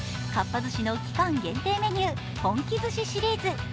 かっぱ寿司の期間限定メニュー、本気寿司シリーズ。